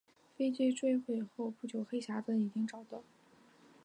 飞机坠毁后不久黑匣子已经找到。